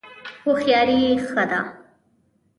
هوښیاري ښه ده.